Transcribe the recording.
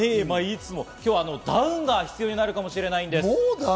今日はダウンが必要になるかもしれないんです。